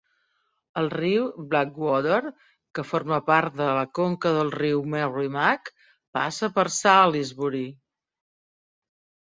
El riu Blackwater, que forma part de la conca del riu Merrimack, passa per Salisbury.